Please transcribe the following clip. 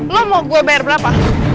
lo mau gue bayar berapa